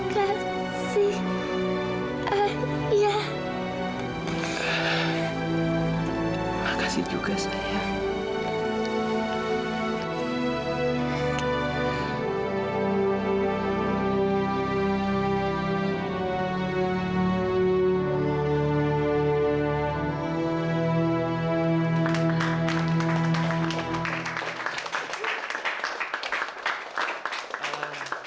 terima kasih ayah